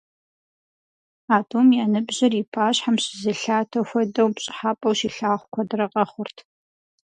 А тӏум я ныбжьыр и пащхьэм щызелъатэ хуэдэу, пщӏыхьэпӏэу щилъагъу куэдрэ къэхъурт.